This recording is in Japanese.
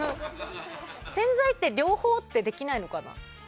宣材って両方ってできないのかな。